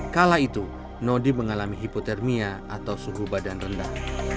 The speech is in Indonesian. kala itu nodi mengalami hipotermia atau suhu badan rendah